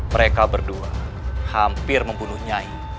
mereka berdua hampir membunuh nyai